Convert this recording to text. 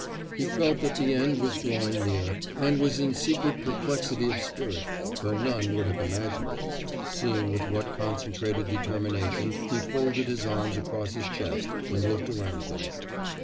He felt that the end was drawing near, and was in secret perplexity of spirit, though none would have imagined it, seeing with what concentrated determination he folded his arms across his chest and looked around him.